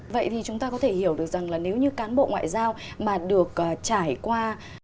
vậy thì chúng ta có thể hiểu được rằng là nếu như cán bộ ngoại giao mà được trải qua